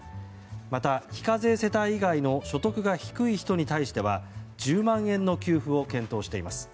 また、非課税世帯以外の所得が低い人に対しては１０万円の給付を検討しています。